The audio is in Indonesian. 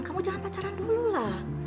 kamu jangan pacaran dulu lah